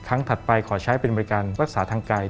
ครั้งถัดไปขอใช้เป็นบริการวักษาทางกาย